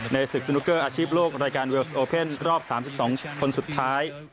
ศึกสนุกเกอร์อาชีพโลกรายการเวลสโอเพ่นรอบ๓๒คนสุดท้าย